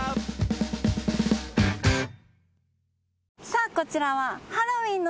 さあこちらは。